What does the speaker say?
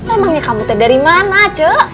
emangnya kamu teh dari mana ce